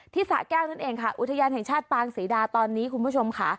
สะแก้วนั่นเองค่ะอุทยานแห่งชาติปางศรีดาตอนนี้คุณผู้ชมค่ะ